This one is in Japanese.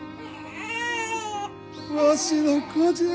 わしの子じゃ！